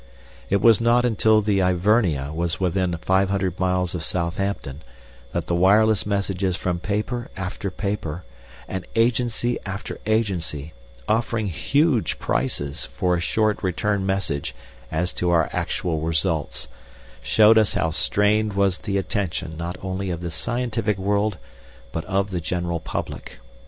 It was not until the Ivernia was within five hundred miles of Southampton that the wireless messages from paper after paper and agency after agency, offering huge prices for a short return message as to our actual results, showed us how strained was the attention not only of the scientific world but of the general public.